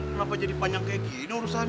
kenapa jadi panjang kayak gini urusan